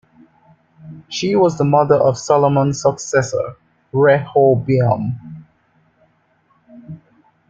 She was the mother of Solomon's successor, Rehoboam.